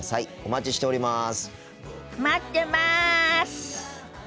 待ってます！